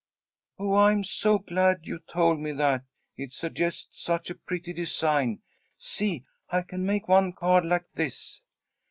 "Oh, I'm so glad you told me that! It suggests such a pretty design. See! I can make one card like this."